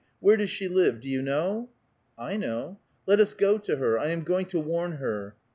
Where does she live? Do vou know?" "'l know." '* Let us go to her. I am going to warn her."